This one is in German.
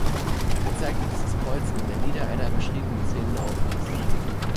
Er zeigte, dass das Kreuz in der Lieder-Edda beschriebene Szenen aufwies.